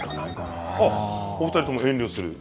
お二人とも、遠慮する。